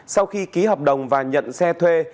sau khi ký hợp đồng và nhận xe thuê